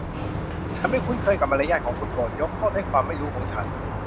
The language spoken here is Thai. ฉันไม่คุ้นเคยกับมารยาทของคุณ โปรดยกโทษให้ความไม่รู้ของฉัน